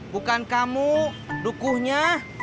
bukan kamu dukunya